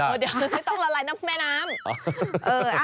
เดี๋ยวฉันไม่ต้องละลายน้ำแม่น้ำ